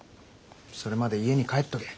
それまで家に帰っとけ。